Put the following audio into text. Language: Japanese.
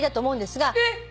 えっ！？